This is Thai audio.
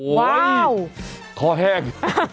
ว้าวคอแห้ง